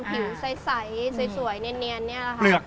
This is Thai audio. ผิวใสสวยเนียนนี่แหละค่ะ